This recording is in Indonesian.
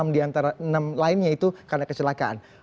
enam diantara enam lainnya itu karena kecelakaan